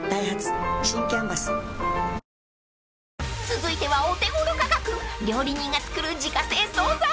［続いてはお手頃価格料理人が作る自家製総菜］